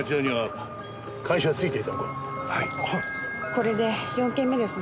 これで４件目ですね。